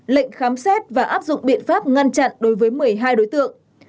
lệnh khám xét và áp dụng biện pháp ngăn chặn đối với một mươi hai đối tượng